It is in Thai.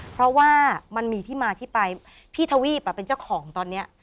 เพราะว่ามันมีที่มาที่ไปพี่ทวีปเป็นเจ้าของตอนนี้